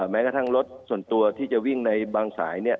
แม้กระทั่งรถส่วนตัวที่จะวิ่งในบางสาย